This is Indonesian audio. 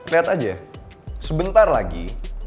lihat aja sebentar lagi